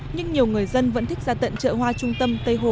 nhưng nhiều người dân vẫn thích ra tận chợ hoa trung tâm tây hồ